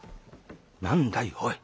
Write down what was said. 何だいおい。